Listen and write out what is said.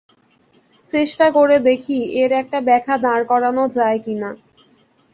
চেষ্টা করে দেখি, এর একটা ব্যাখ্যা দাঁড় করানো যায় কিনা।